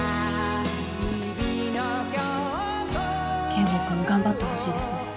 圭吾君頑張ってほしいですね。